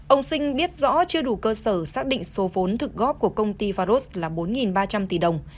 ông sinh biết rõ chưa đủ cơ sở xác định số vốn thực góp của công ty faros là bốn ba trăm linh tỷ đồng